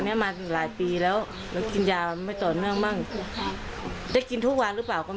หลานชายของผู้ต้องหาแล้วก็ไปคุยกับน้าสาวที่พูดถึงเรื่องของ